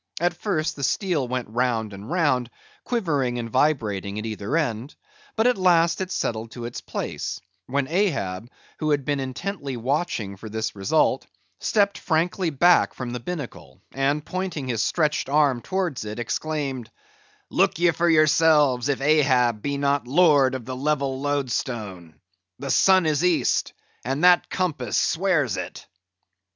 At first, the steel went round and round, quivering and vibrating at either end; but at last it settled to its place, when Ahab, who had been intently watching for this result, stepped frankly back from the binnacle, and pointing his stretched arm towards it, exclaimed,—"Look ye, for yourselves, if Ahab be not lord of the level loadstone! The sun is East, and that compass swears it!"